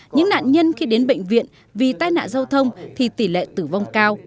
những nạn nhân khi đến bệnh viện vì tai nạn giao thông thì tỷ lệ tử vong cao